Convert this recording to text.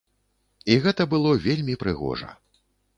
І гэта было вельмі прыгожа.